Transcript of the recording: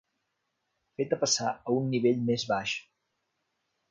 Feta passar a un nivell més baix.